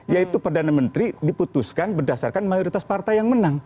yaitu perdana menteri diputuskan berdasarkan mayoritas partai yang menang